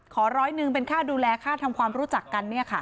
ขอร้อยนึงเป็นข้าดูแลข้าทำความรู้จักกั่อนี่ค่ะ